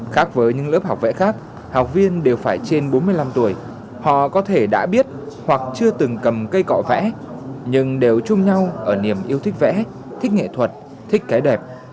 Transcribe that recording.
khác với những lớp học vẽ khác học viên đều phải trên bốn mươi năm tuổi họ có thể đã biết hoặc chưa từng cầm cây cọ vẽ nhưng đều chung nhau ở niềm yêu thích vẽ thích nghệ thuật thích cái đẹp